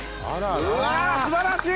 うわ！素晴らしい！